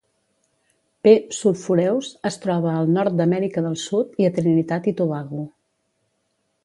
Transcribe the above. "P. sulphureus" es troba al nord d'Amèrica del Sud i a Trinitat i Tobago.